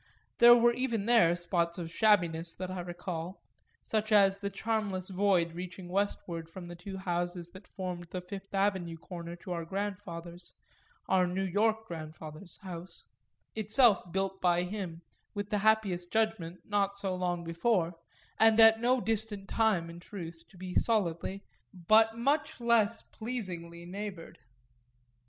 There were even there spots of shabbiness that I recall, such as the charmless void reaching westward from the two houses that formed the Fifth Avenue corner to our grandfather's, our New York grandfather's house, itself built by him, with the happiest judgment, not so long before, and at no distant time in truth to be solidly but much less pleasingly neighboured.